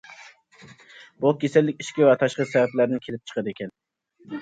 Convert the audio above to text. بۇ كېسەللىك ئىچكى ۋە تاشقى سەۋەبلەردىن كېلىپ چىقىدىكەن.